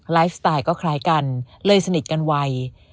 ไลฟ์สไตล์ก็คล้ายกันเลยสนิทกันไว